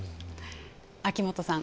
秋元さん